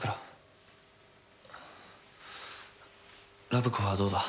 ラブコフはどうだ？